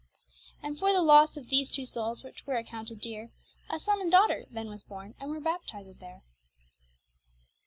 And for the losse of these two soules, which were accounted deere, A son and daughter then was borne, and were baptizèd there.